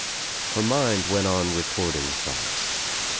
Her mind went on recording thoughts.